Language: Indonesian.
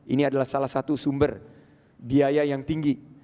ini adalah salah satu sumber biaya yang tinggi